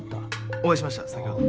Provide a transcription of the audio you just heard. お会いしました先ほど。